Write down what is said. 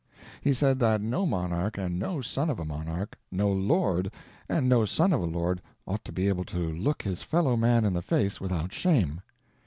He said that no monarch and no son of a monarch, no lord and no son of a lord ought to be able to look his fellow man in the face without shame.